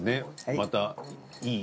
またいい？